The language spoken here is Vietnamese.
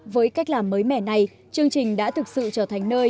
với cách làm mới mẻ này chương trình đã thực sự trở thành nơi